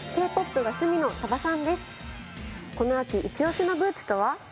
この秋イチオシのブーツとは？